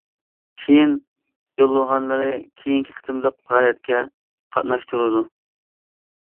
كېيىن يوللانغانلىرى كېيىنكى قېتىملىق پائالىيەتكە قاتناشتۇرۇلىدۇ.